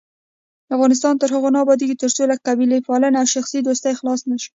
افغانستان تر هغو نه ابادیږي، ترڅو له قبیلې پالنې او شخصي دوستۍ خلاص نشو.